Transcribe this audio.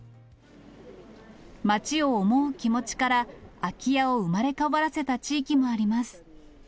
町を思う気持ちから、空き家を生まれ変わらせた地域もあります。